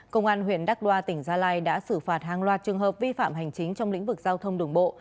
công an huyện đắk đoa tỉnh gia lai đã xử phạt hàng loạt trường hợp vi phạm hành chính trong lĩnh vực giao thông đường bộ